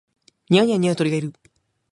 庭には二羽鶏がいる